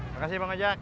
makasih pak ngojak